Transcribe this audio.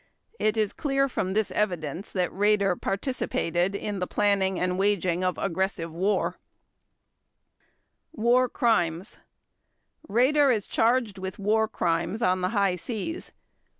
It is clear from this evidence that Raeder participated in the planning and waging of aggressive war. War Crimes Raeder is charged with War Crimes on the High Seas.